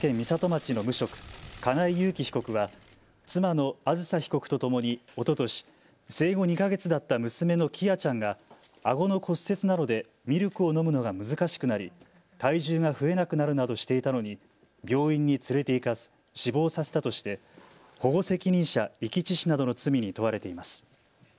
町の無職、金井裕喜被告は妻のあずさ被告とともにおととし、生後２か月だった娘の喜空ちゃんがあごの骨折などでミルクを飲むのが難しくなり体重が増えなくなるなどしていたのに病院に連れて行かず死亡させたとして保護責任者遺棄致死などの罪に問われています。